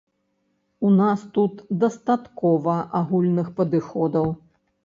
У нас тут дастаткова агульных падыходаў.